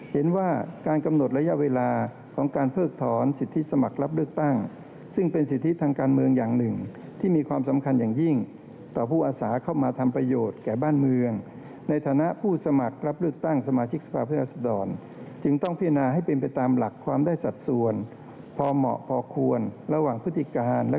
เห็นว่าการกำหนดระยะเวลาของการเพิกถอนสิทธิสมัครรับเลือกตั้งซึ่งเป็นสิทธิทางการเมืองอย่างหนึ่งที่มีความสำคัญอย่างยิ่งต่อผู้อาสาเข้ามาทำประโยชน์แก่บ้านเมืองในฐานะผู้สมัครรับเลือกตั้งสมาชิกสภาพผู้แทนรัศดรจึงต้องพิจารณาให้เป็นไปตามหลักความได้สัดส่วนพอเหมาะพอควรระหว่างพฤติการและ